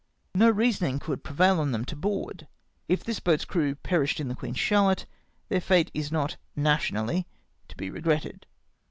No reasoning could prevail on them to board. If this boat's crew perished in the Queen Charlotte^ their fate is not nationally to be regretted.